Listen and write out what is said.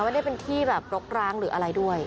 ไม่ได้เป็นที่แบบรกร้างหรืออะไรด้วย